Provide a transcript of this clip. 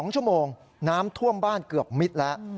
๒ชั่วโมงน้ำท่วมบ้านเกือบมิดแล้ว